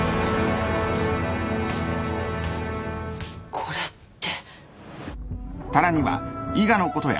これって。